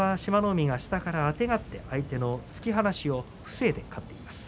海が下からあてがって相手の突き放しを防いで勝っています。